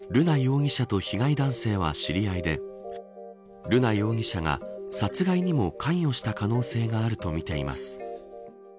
警察は、瑠奈容疑者と被害男性は知り合いで瑠奈容疑者が殺害にも関与した可能性があるとみています。